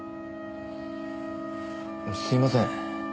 すいません。